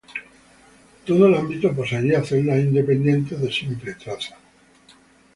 Todo el ámbito poseía celdas independientes, de simple traza.